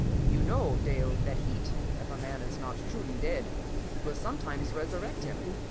You know, Dale, that heat, if a man is not truly dead, will sometimes resurrect him.